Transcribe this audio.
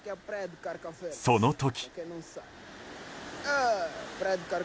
その時。